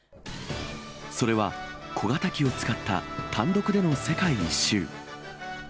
それは、小型機を使った単独での世界一周。